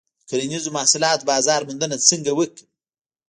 د کرنیزو محصولاتو بازار موندنه څنګه وکړم؟